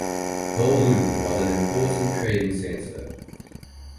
Dilmun was an important trading centre.